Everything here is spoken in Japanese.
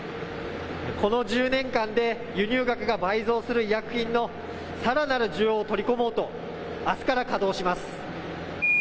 この１０年で輸入額が倍増する医薬品のさらなる需要を取り込もうとあすから稼働します。